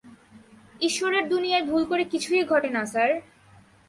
ঈশ্বরের দুনিয়ায় ভুল করে কিছুই ঘটে না, স্যার।